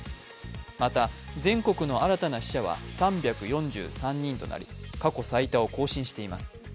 また全国の新たな死者は３４３人となり過去最多を更新しています。